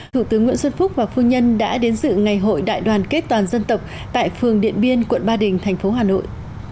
thủ tướng nguyễn xuân phúc và phu nhân đã đến sự ngày hội đại đoàn kết toàn dân tộc tại phường điện biên quận ba đình thành phố hà nội